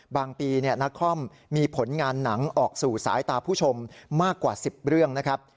ปีนักคอมมีผลงานหนังออกสู่สายตาผู้ชมมากกว่า๑๐เรื่องนะครับ